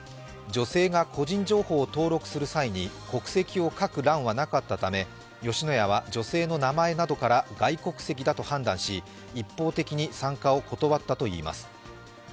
女性が個人情報を登録する際に国籍を書く欄はなかったため吉野家は女性の名前などから外国籍だと判断し、一方的に参加を断ったといいます。